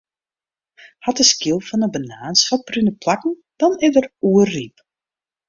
Hat de skyl fan 'e banaan swartbrune plakken, dan is er oerryp.